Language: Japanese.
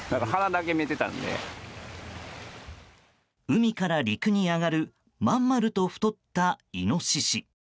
海から陸に上がるまん丸と太ったイノシシ。